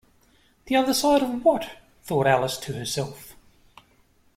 The other side of what?’ thought Alice to herself.